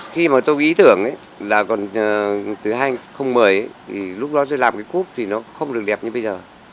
khi mà tôi ý tưởng là còn từ hai nghìn một mươi thì lúc đó tôi làm cái cúp thì nó không được đẹp như bây giờ